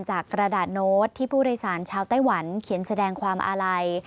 กระดาษโน้ตที่ผู้โดยสารชาวไต้หวันเขียนแสดงความอาลัย